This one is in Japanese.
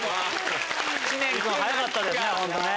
知念君早かったですね